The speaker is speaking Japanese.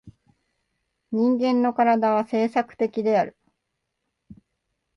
人間の身体は制作的である。